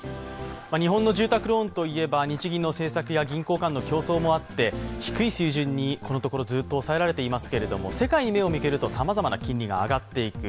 日本の住宅ローンといえば日銀の政策や銀行間の競争もあって低い水準にこのところずっと抑えられていますけれども、世界に目を向けるとさまざまな金利が上がっていく。